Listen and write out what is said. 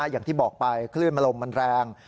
อย่างที่บอกไปคลื่นลมมันแรง